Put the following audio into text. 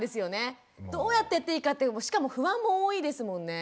どうやってやっていいかってしかも不安も多いですもんね。